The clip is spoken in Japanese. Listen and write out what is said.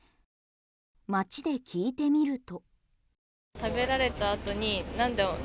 街で聞いてみると。